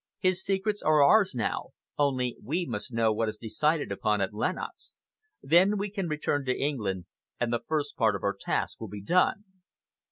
His secrets are ours now, only we must know what is decided upon at Lenox. Then we can return to England, and the first part of our task will be done!"